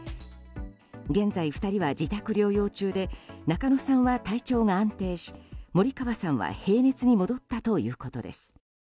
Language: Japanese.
現在２人は自宅療養中で仲野さんは体調が安定し森川さんは平熱に戻ったということです。